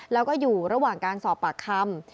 แล้วก็อยู่ระหว่างการสอบปากคำ